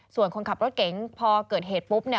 ส่วนคนขับรถเก๋งพอเกิดเหตุปุ๊บเนี่ย